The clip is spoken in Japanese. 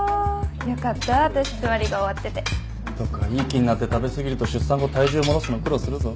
良かった私つわりが終わってて。とかいい気になって食べ過ぎると出産後体重戻すの苦労するぞ？